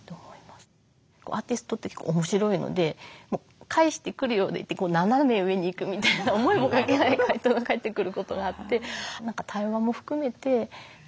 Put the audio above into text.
アーティストって面白いので返してくるようでいて斜め上に行くみたいな思いもかけない回答が返ってくることがあって。